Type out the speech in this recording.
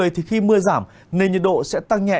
thì khi mưa giảm nên nhiệt độ sẽ tăng nhẹ